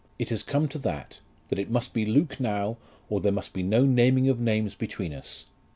It has come to that, that it must be Luke now, or there must be no naming of names between us.